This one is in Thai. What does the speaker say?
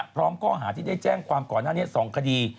พร้อมข้อหาที่ได้แจ้งความก่อนหน้านี้๒คดี